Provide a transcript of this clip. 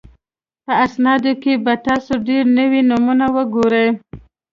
په اسنادو کې به تاسو ډېر نوي نومونه وګورئ